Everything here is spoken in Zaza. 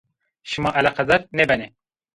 Şima eleqedar nêbenê